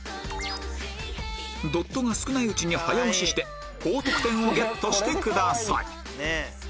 ドットが少ないうちに早押しして高得点をゲットしてください